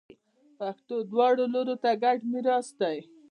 پښتو دواړو لورو ته ګډ میراث دی.